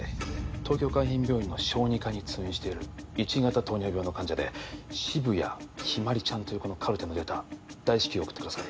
東京海浜病院の小児科に通院しているⅠ型糖尿病の患者で渋谷日葵ちゃんという子のカルテのデータ大至急送ってください